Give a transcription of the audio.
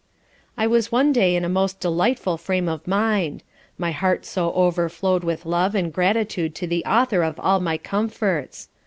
I was one day in a most delightful frame of mind; my heart so overflowed with love and gratitude to the Author of all my comforts.